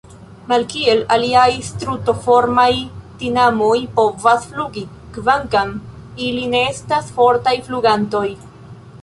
Malkiel aliaj Strutoformaj, tinamoj povas flugi, kvankam ili ne estas fortaj flugantoj.